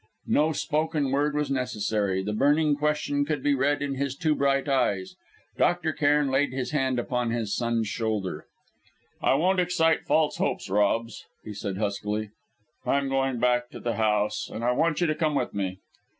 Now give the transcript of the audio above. No spoken word was necessary; the burning question could be read in his too bright eyes. Dr. Cairn laid his hand upon his son's shoulder. "I won't excite false hopes, Rob," he said huskily. "I am going back to the house, and I want you to come with me."